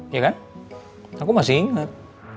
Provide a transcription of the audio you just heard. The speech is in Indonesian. iya kan aku masih inget